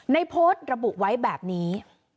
โพสต์ระบุไว้แบบนี้